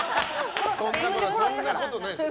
そんなことないです。